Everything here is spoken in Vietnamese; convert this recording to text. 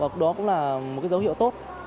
và đó cũng là một dấu hiệu tốt